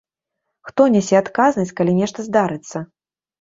Хто нясе адказнасць, калі нешта здарыцца?